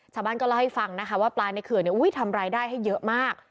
ชาวบ้านก็เล่าให้ฟังนะคะว่าปลาในเขื่อนทำรายได้ให้เยอะมาก